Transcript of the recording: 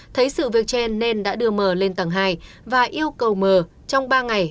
thấy sự việc trên nên đã đưa mờ lên tầng hai và yêu cầu mờ trong ba ngày